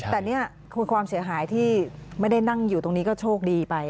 แต่นี่คือความเสียหายที่ไม่ได้นั่งอยู่ตรงนี้ก็โชคดีไป